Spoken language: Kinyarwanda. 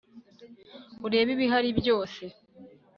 urebe ibihari byose